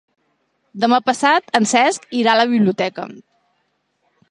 Demà passat en Cesc irà a la biblioteca.